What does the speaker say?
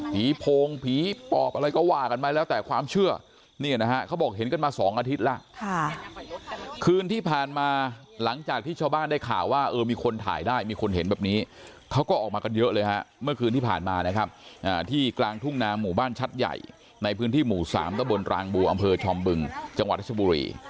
โพงผีปอบอะไรก็ว่ากันไว้แล้วแต่ความเชื่อเนี่ยนะฮะเขาบอกเห็นกันมาสองอาทิตย์แล้วคืนที่ผ่านมาหลังจากที่ชาวบ้านได้ข่าวว่าเออมีคนถ่ายได้มีคนเห็นแบบนี้เขาก็ออกมากันเยอะเลยฮะเมื่อคืนที่ผ่านมานะครับที่กลางทุ่งนาหมู่บ้านชัดใหญ่ในพื้นที่หมู่สามตะบนรางบัวอำเภอชอมบึงจังหวัดรัชบุรี